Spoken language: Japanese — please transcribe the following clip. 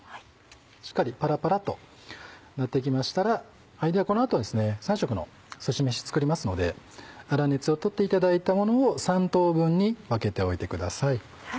しっかりパラパラとなってきましたらこの後３色のすし飯作りますので粗熱をとっていただいたものを３等分に分けておいてください。